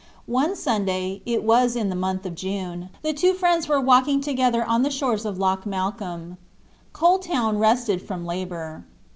One Sunday—it was in the month of June—the two friends were walking together on the shores of Loch Malcolm. Coal Town rested from labor.